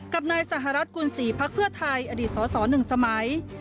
กับนายสหรัฐกุณฤษีภักเพื่อไทยอดีตสสหนึ่งสมัย